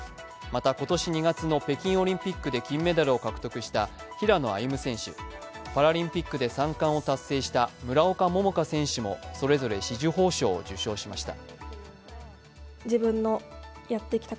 また今年２月の北京オリンピックで金メダルを獲得した平野歩夢選手、パラリンピックで３冠を達成した村岡桃佳選手もそれぞれ紫綬褒章を受章しました。